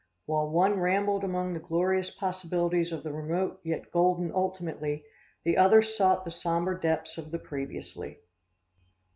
While one rambled among the glorious possibilities of the remote yet golden ultimately, the other sought the somber depths of the previously.